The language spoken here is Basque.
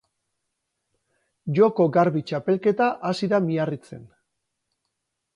Joko Garbi txapelketa hasi da Miarritzen.